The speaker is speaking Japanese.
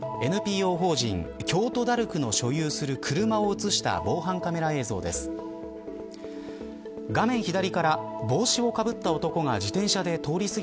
ＮＰＯ法人京都ダルクの所有する車を映した防犯カメラ映像です。